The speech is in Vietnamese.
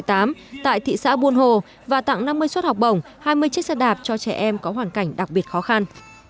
tại thị xã buôn hồ và tặng năm mươi suất học bổng hai mươi chiếc xe đạp cho trẻ em có hoàn cảnh đặc biệt khó khăn